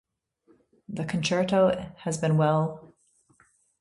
The concerto has been recorded by nearly every well-known cellist.